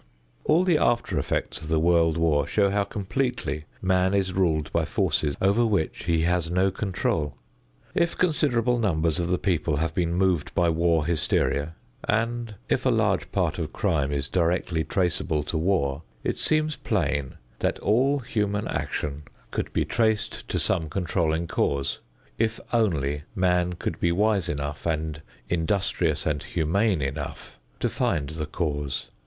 All the after effects of the World War show how completely man is ruled by forces over which he has no control. If considerable numbers of the people have been moved by war hysteria, and if a large part of crime is directly traceable to war, it seems plain that all human action could be traced to some controlling cause, if only man could be wise enough and industrious and humane enough to find the cause.